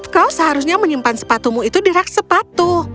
kau seharusnya menyimpan sepatumu itu di rak sepatu